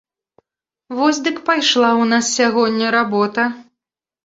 Вось дык пайшла ў нас сягоння работа!